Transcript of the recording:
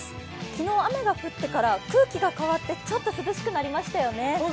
昨日雨が降ってから空気が変わってちょっと涼しくなりましたよね。